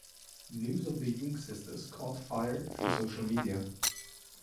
News of the Jung Sisters caught fire through social media.